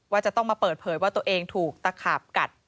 จะต้องมาเปิดเผยว่าตัวเองถูกตะขาบกัด